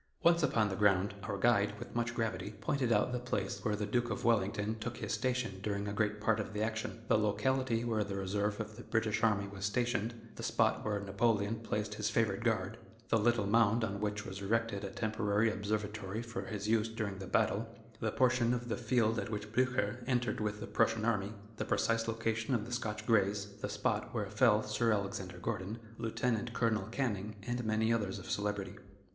Once upon the ground, our guide, with much gravity, pointed out the place where the Duke of Wellington took his station during a great part of the action; the locality where the reserve of the British army was stationed; the spot where Napoleon placed his favorite guard; the little mound on which was erected a temporary observatory for his use during the battle; the portion of the field at which Blucher entered with the Prussian army; the precise location of the Scotch Greys; the spot where fell Sir Alexander Gordon, Lieut. Col. Canning, and many others of celebrity.